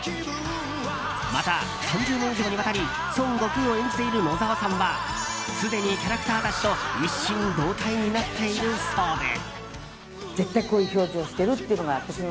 また、３０年以上にわたり孫悟空を演じている野沢さんはすでにキャラクターたちと一心同体になっているそうで。